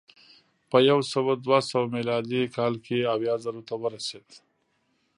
په یو سوه دوه سوه میلادي کال کې اویا زرو ته ورسېد